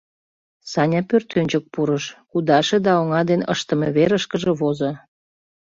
Саня пӧртӧнчык пурыш, кудаше да оҥа ден ыштыме верышкыже возо.